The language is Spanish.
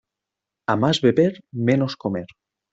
A más beber, menos comer.